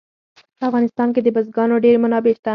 په افغانستان کې د بزګانو ډېرې منابع شته.